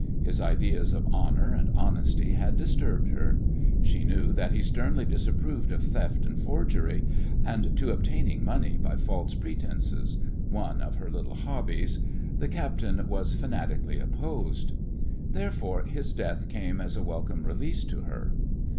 His ideas of honour and honesty had disturbed her. She knew that he sternly disapproved of theft and forgery, and to obtaining money by false pretences one of her little hobbies the captain was fanatically opposed. Therefore, his death came as a welcome release to her.